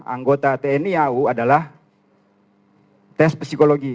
anggota tni au adalah tes psikologi